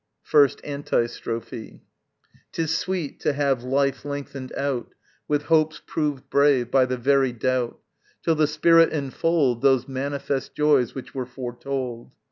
1st Antistrophe. 'Tis sweet to have Life lengthened out With hopes proved brave By the very doubt, Till the spirit enfold Those manifest joys which were foretold.